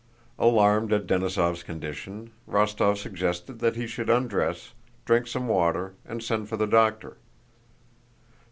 Alarmed at Denísov's condition, Rostóv suggested that he should undress, drink some water, and send for the doctor.